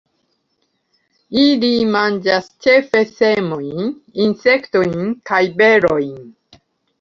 Ili manĝas ĉefe semojn, insektojn kaj berojn.